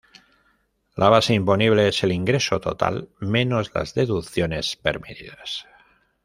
La base imponible es el ingreso total menos las deducciones permitidas.